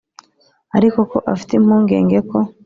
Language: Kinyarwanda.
ariko ko afite impungenge ko